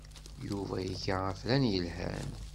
Yuba iga afran yelhan.